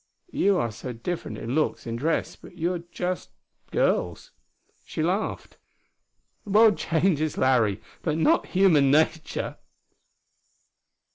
You are so different in looks, in dress, but you're just girls." She laughed. "The world changes, Larry, but not human nature."